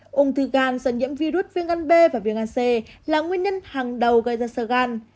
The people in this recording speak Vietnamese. ung thư gan do nhiễm virus viêm gan b và viêm gan c là nguyên nhân hàng đầu gây ra sơ gan